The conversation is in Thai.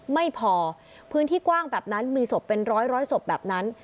ไม่พอพื้นที่กว้างแบบนั้นมีศพเป็นร้อยศพแบบนั้น